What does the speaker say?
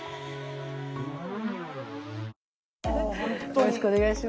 よろしくお願いします。